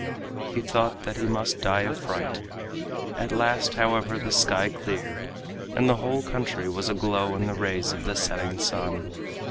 He thought that he must die of fright. At last, however, the sky cleared, and the whole country was aglow in the rays of the setting sun.